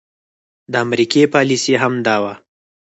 د امريکې پاليسي هم دا وه